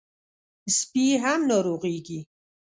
سپي هم ناروغېږي.